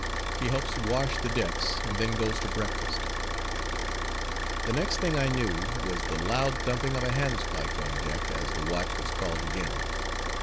HE HELPS WASH THE DECKS, AND THEN GOES TO BREAKFAST The next thing I knew, was the loud thumping of a handspike on deck as the watch was called again.